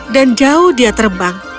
dan jauh dia terbuka